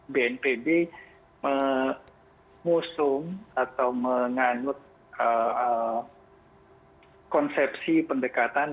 bnpb mengusung atau menganut konsepsi pendekatan